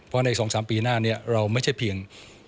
เพราะใน๒๓ปีหน้านี้เราไม่ใช่เพียง